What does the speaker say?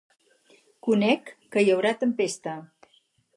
Conec que hi haurà tempesta.